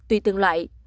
tuy tương loại